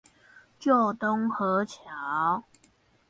舊東河橋